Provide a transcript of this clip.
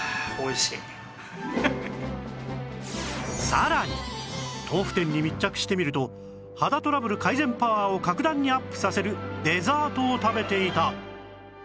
さらに豆腐店に密着してみると肌トラブル改善パワーを格段にアップさせるデザートを食べていた